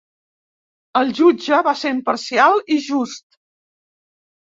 El jutge va ser imparcial i just.